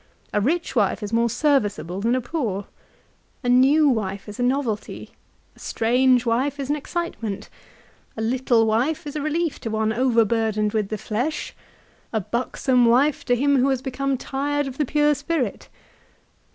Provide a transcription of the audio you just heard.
A rich wife is more serviceable than a poor. A new wife is a novelty. A strange wife is an excitement. A little wife is a relief to one overburdened with the flesh ; a buxom wife to him who 170 LIFE OF CICERO. has become tired of the pure spirit.